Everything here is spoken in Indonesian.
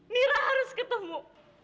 mira harus ketemu